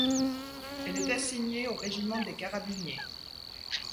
Elle est assignée au régiment des carabiniers.